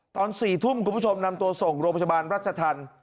ตอน๔ทุ่มคุณผู้ชมนำตัวส่งโรงพยาบาลรัชธรรม